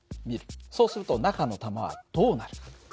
そうすると中の玉はどうなる？